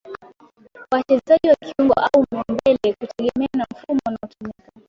Wachezaji wa kiungo au wa mbele kutegemea na mfumo unaotumika